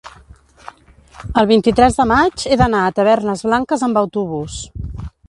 El vint-i-tres de maig he d'anar a Tavernes Blanques amb autobús.